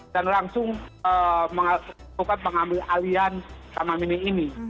dan langsung mengambil alih taman mini ini